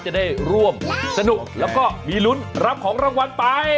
จะได้ร่วมสนุกแล้วก็มีลุ้นรับของรางวัลไป